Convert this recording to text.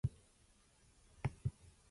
Hickok's time in the job was short.